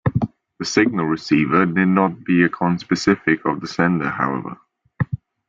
The signal receiver need not be a conspecific of the sender, however.